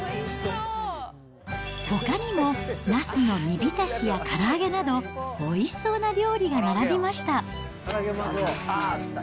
ほかにも、なすの煮びたしやから揚げなど、おいしそうな料理が並びました。